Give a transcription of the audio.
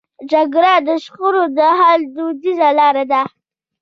جرګه د شخړو د حل دودیزه لار ده.